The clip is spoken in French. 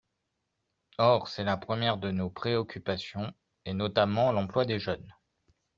Or c’est la première de nos préoccupations, et notamment l’emploi des jeunes.